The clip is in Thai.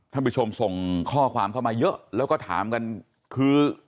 ท่านผู้ชมส่งข้อความเข้ามาเยอะแล้วก็ถามกันคือ